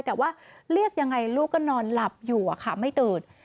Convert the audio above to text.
แต่ว่าเรียกยังไงลูกก็นอนหลับอยู่อะค่ะไม่ตื่น